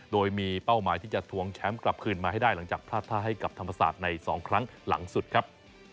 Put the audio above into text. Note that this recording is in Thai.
โดยมีเป้าหมายที่จะทวงแชมป์กลับคืนมาให้ได้หลังจากพลาดท่าให้กับธรรมศาสตร์ใน๒ครั้งหลังสุดครับ